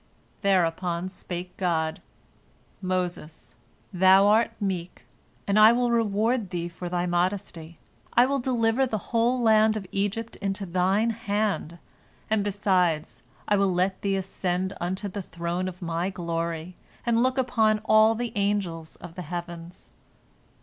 Thereupon spake God, "Moses, thou art meek, and I will reward thee for thy modesty. I will deliver the whole land of Egypt into thine hand, and, besides, I will let thee ascend unto the throne of My glory, and look upon all the angels of the heavens."